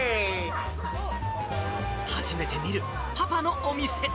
初めて見るパパのお店。